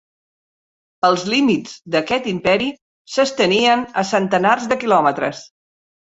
Els límits d'aquest imperi s'estenien a centenars de quilòmetres.